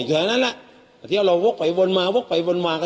เหมือนกันนั้น